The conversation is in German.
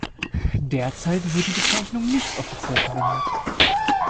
Derzeit wird die Bezeichnung nicht offiziell verwendet.